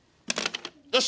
よし。